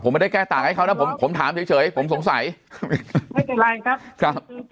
ไม่ได้แก้ต่างให้เขานะผมผมถามเฉยเฉยผมสงสัยไม่เป็นไรครับครับ